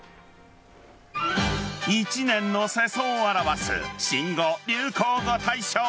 １年の世相を表す新語・流行語大賞。